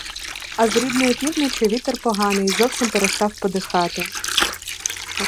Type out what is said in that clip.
А з рідної півночі вітер поганий зовсім перестав подихати.